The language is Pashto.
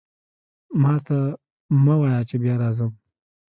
ماته مه وایه چې بیا راځم.